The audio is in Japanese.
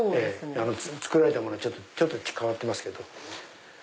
作られたものちょっと変わってますけど。